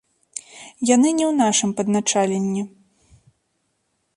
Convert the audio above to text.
Яны не ў нашым падначаленні.